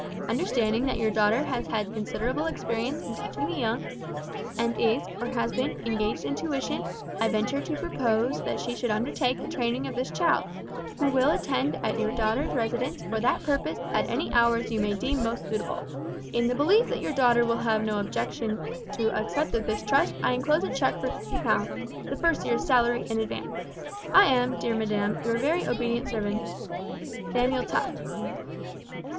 Understanding that your daughter has had considerable experience in teaching the young, and is, or has been, engaged in tuition, I venture to propose that she should undertake the training of this child, who will attend at your daughter's residence for that purpose at any hours you may deem most suitable. In the belief that your daughter will have no objection to accept of this trust I enclose a cheque for 50 pounds the first year's salary in advance. I am, dear madam, your very obedient servant, "Samuel Tough."